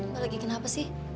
mbak lagi kenapa sih